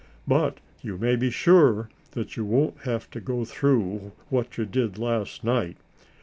But you may be sure that you won't have to go through what you did last night.